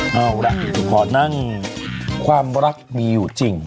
เอาล่ะขอนั่งความรักมีอยู่จริง